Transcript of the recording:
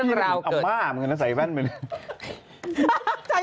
อำมามึงจะใส่แว่นไป